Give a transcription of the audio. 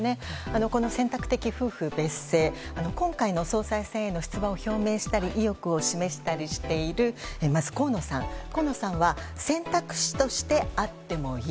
この選択的夫婦別姓今回の総裁選への出馬を表明したり意欲を示したりしている河野さんは選択肢としてあってもいい。